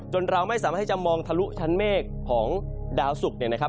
เราไม่สามารถที่จะมองทะลุชั้นเมฆของดาวสุกเนี่ยนะครับ